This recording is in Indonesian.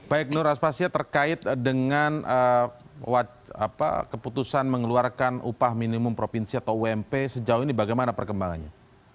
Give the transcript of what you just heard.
baik nur aspasya terkait dengan keputusan mengeluarkan upah minimum provinsi atau ump sejauh ini bagaimana perkembangannya